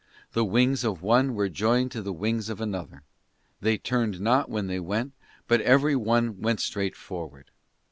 And the wings of one were joined to the wings of another. They turned not when they went, but every one went straight forward.